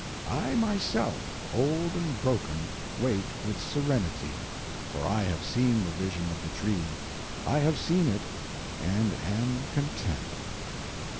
I myself, old and broken, wait with serenity; for I have seen the vision of the Tree. I have seen it, and am content.